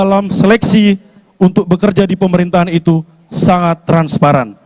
dalam seleksi untuk bekerja di pemerintahan itu sangat transparan